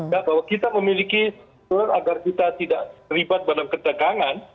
ya bahwa kita memiliki agar kita tidak terlibat dalam ketegangan